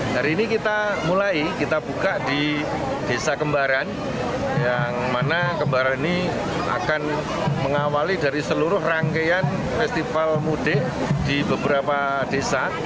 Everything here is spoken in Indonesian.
hari ini kita mulai kita buka di desa kembaran yang mana kembaran ini akan mengawali dari seluruh rangkaian festival mudik di beberapa desa